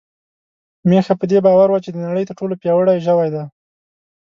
میښه په دې باور وه چې د نړۍ تر ټولو پياوړې ژوی ده.